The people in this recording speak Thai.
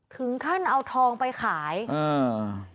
ถึงขั้นเอาทองไปขายอ่า